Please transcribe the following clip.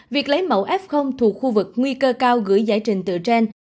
việc lấy mẫu f thuộc khu vực nguy cơ cao gửi giải trình tự trên